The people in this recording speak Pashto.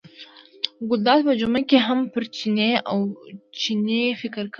ګلداد په جمعه کې هم پر چیني او چڼي فکر کاوه.